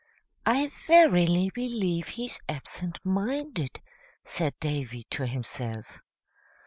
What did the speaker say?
"I verily believe he's absent minded," said Davy to himself.